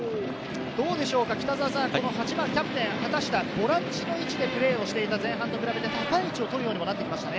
８番キャプテン・畑下、ボランチの位置でプレーをしていた前半と比べて、高い位置を取るようにもなってきましたね。